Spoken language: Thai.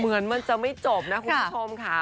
เหมือนมันจะไม่จบนะคุณผู้ชมค่ะ